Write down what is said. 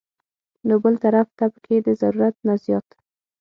نو بل طرف ته پکښې د ضرورت نه زيات